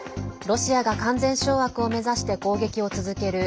ロシアが完全掌握を目指して攻撃を続ける